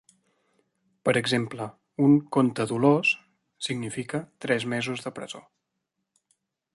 Per exemple, un "conte dolós" significa "tres mesos de presó.